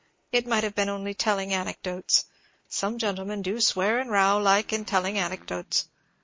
It might have been only telling anecdotes. Some gentlemen do swear and row like in telling anecdotes.